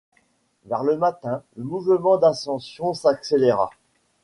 Vers le matin, le mouvement d’ascension s’accéléra.